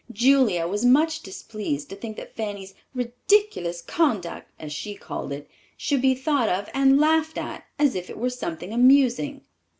Julia was much displeased to think that Fanny's "ridiculous conduct," as she called it, should be told of and laughed at as if it were something amusing.